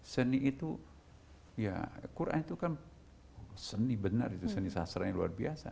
seni itu ya quran itu kan seni benar itu seni sasra yang luar biasa